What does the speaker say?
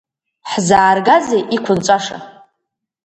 Ҳзааргазеи иқәынҵәаша?